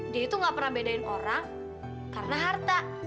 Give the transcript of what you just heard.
dia itu gak pernah bedain orang karena harta